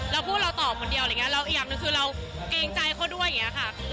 เราพูดเราต่อคนเดียวอะไรอย่างนี้คือเราเกรงใจเขาด้วยอย่างนี้ค่ะ